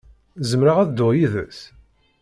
Zemreɣ ad dduɣ yid-s?